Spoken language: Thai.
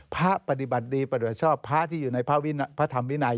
พระปฏิบัติดีปฏิบัติชอบพระที่อยู่ในพระธรรมวินัย